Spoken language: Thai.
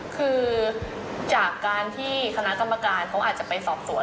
คือจากการที่คณะกรรมการเขาอาจจะไปสอบสวน